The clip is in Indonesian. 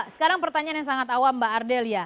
sekarang pertanyaan yang sangat awal mbak ardel ya